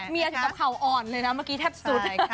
เทียนกับเขาอ่อนเลยนะเมื่อกี้แทบสุด